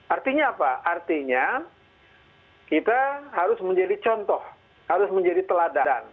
artinya apa artinya kita harus menjadi contoh harus menjadi teladan